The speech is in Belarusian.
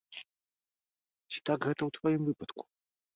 Ці так гэта ў тваім выпадку?